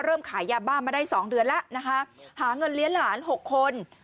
ขายยาบ้ามาได้๒เดือนแล้วนะคะหาเงินเลี้ยงหลาน๖คน